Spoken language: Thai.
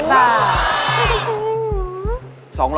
ไม่จริงหรอ